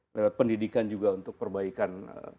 lewat pendidikan juga untuk perbaikan